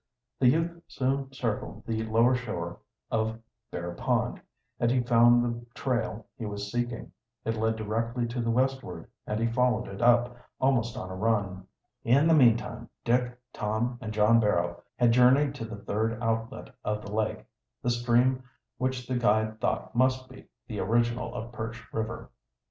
The youth soon circled the lower shore of Bear Pond, and he found the trail he was seeking. It led directly to the westward, and he followed it up, almost on a run. In the meantime Dick, Tom, and John Barrow had journeyed to the third outlet of the lake, the stream which the guide thought must be the original of Perch River.